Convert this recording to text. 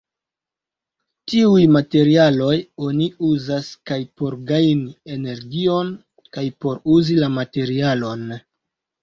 Tiuj materialoj oni uzas kaj por gajni energion kaj por uzi la materialon.